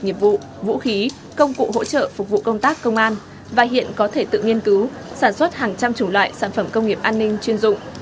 nghiệp vụ vũ khí công cụ hỗ trợ phục vụ công tác công an và hiện có thể tự nghiên cứu sản xuất hàng trăm chủng loại sản phẩm công nghiệp an ninh chuyên dụng